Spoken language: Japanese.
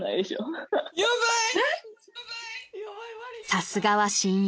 ［さすがは親友］